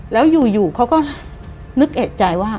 แล้วอยู่เขาก็นึกเอกใจว่า